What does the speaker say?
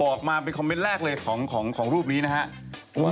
ออกมาเป็นคอมเมนต์แรกเลยของรูปนี้นะครับ